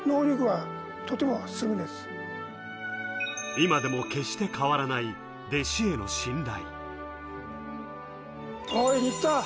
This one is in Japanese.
今でも決して変わらない弟子への信頼。